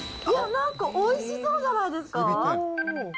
なんかおいしそうじゃないですか。